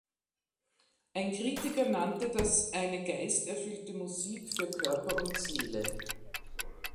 Ein Kritiker nannte das eine geist-erfüllte Musik für Körper und Seele.